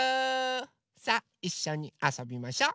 さあいっしょにあそびましょ。